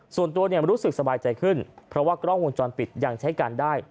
ส่วนตัวเนี่ยรู้สึกสบายใจขึ้นเพราะว่ากล้องวงจรปิดยังใช้การได้